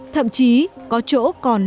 thậm chí có chỗ còn nổi